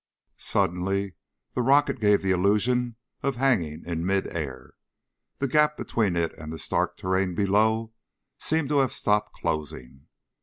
Suddenly the rocket gave the illusion of hanging in mid air. The gap between it and the stark terrain below seemed to have stopped closing.